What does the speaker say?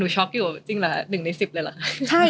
จริงอะหนึ่งในสิบเลยละ